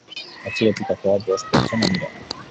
Atxilotutakoak bost pertsona dira.